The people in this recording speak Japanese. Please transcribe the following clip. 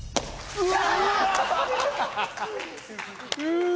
うわ！